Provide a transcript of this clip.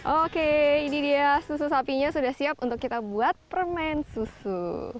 oke ini dia susu sapinya sudah siap untuk kita buat permen susu